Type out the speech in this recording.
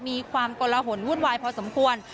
มีความกลหนวุ่นวายพอสมควร